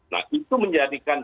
nah itu menjadikan